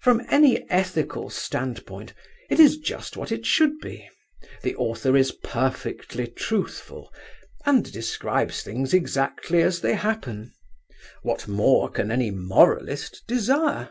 From any ethical standpoint it is just what it should be. The author is perfectly truthful, and describes things exactly as they happen. What more can any moralist desire?